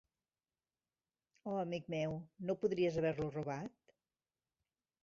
Oh, amic meu, no podries haver-lo robat?